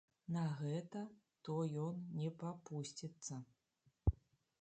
На гэта то ён не папусціцца.